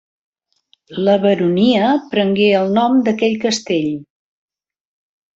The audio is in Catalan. La baronia prengué el nom d'aquest castell.